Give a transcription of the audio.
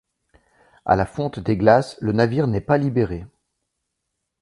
À la fonte des glaces, le navire n'est pas libéré.